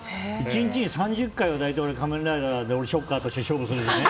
１日に３０回は大体、仮面ライダーで俺ショッカーとして勝負するのね。